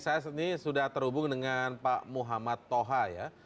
saya ini sudah terhubung dengan pak muhammad toha ya